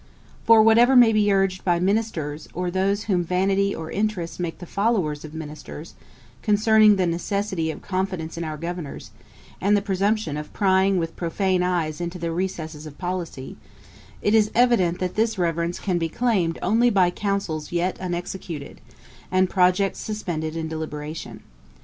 For, whatever may be urged by Ministers, or those whom vanity or interest make the followers of ministers, concerning the necessity of confidence in our governours, and the presumption of prying with profane eyes into the recesses of policy, it is evident that this reverence can be claimed only by counsels yet unexecuted, and projects suspended in deliberation.